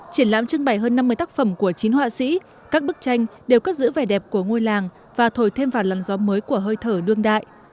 triển lãm trưng bày hơn năm mươi tác phẩm của chín họa sĩ các bức tranh đều cất giữ vẻ đẹp của ngôi làng và thổi thêm vào làn gió mới của hơi thở đương đại